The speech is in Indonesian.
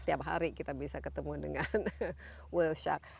setiap hari kita bisa ketemu dengan will schach